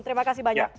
terima kasih banyak